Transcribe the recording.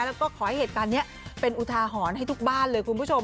แล้วก็ขอให้เหตุการณ์นี้เป็นอุทาหรณ์ให้ทุกบ้านเลยคุณผู้ชม